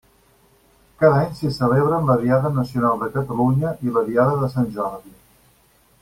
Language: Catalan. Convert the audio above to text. Cada any s'hi celebren la Diada Nacional de Catalunya i la Diada de Sant Jordi.